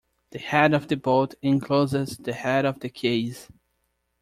The head of the bolt encloses the head of the case.